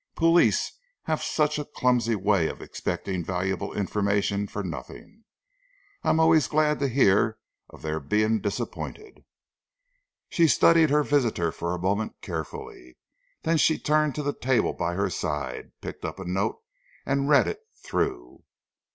"Police have such a clumsy way of expecting valuable information for nothing. I'm always glad to hear of their being disappointed." She studied her visitor for a moment carefully. Then she turned to the table by her side, picked up a note and read it through.